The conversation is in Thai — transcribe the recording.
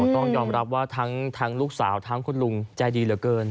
ต้องยอมรับว่าทั้งลูกสาวทั้งคุณลุงใจดีเหลือเกิน